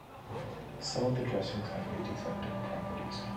Some of the dressings have antiseptic properties.